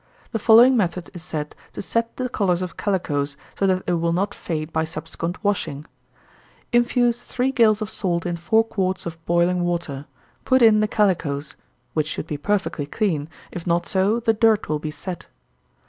The following method is said to set the colors of calicoes so that they will not fade by subsequent washing: Infuse three gills of salt in four quarts of boiling water; put in the calicoes, (which should be perfectly clean; if not so, the dirt will be set.)